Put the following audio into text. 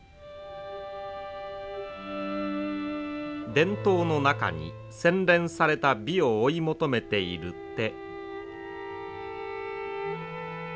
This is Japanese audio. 伝統の中に洗練された美を追い求めている手。